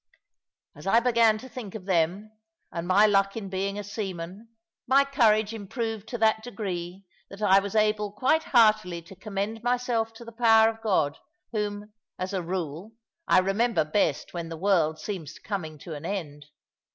As I began to think of them, and my luck in being a seaman, my courage improved to that degree that I was able quite heartily to commend myself to the power of God, whom, as a rule, I remember best when the world seems coming to an end.